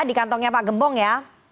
di kantongnya pak gembong ya